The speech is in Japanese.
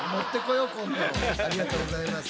ありがとうございます。